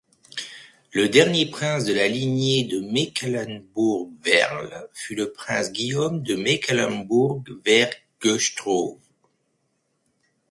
Le dernier prince de la lignée de Mecklembourg-Werle fut le prince Guillaume de Mecklembourg-Werle-Güstrow.